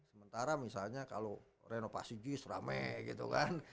sementara misalnya kalau renovasi jis rame gitu kan